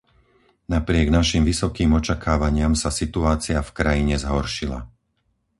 Napriek našim vysokým očakávaniam sa situácia v krajine zhoršila.